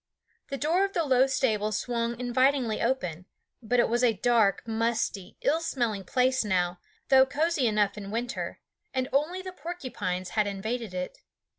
The door of the low stable swung invitingly open, but it was a dark, musty, ill smelling place now, though cozy enough in winter, and only the porcupines had invaded it.